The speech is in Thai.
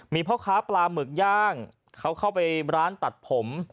มีพ่อค้าปลาหมึกย่างเขาเข้าไปร้านตัดผม